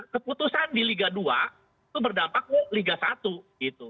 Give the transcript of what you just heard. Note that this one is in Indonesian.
keputusan di liga dua itu berdampak ke liga satu gitu